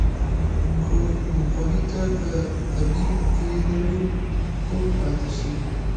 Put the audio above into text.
کور مقري ته کۀ طبيب کښېنوې کور پاتې شي